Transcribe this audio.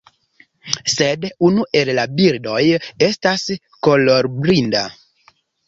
Sed unu el la birdoj estas kolorblinda.